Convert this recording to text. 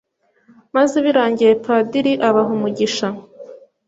maze birangiye padiri abaha umugisha